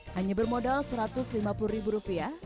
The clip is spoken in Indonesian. hanya bermodal satu ratus lima puluh ribu rupiah